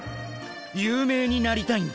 有名になりたいんだ。